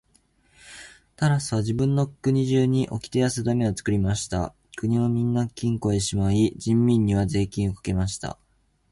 タラスは自分の国中におきてやさだめを作りました。金はみんな金庫へしまい、人民には税金をかけました。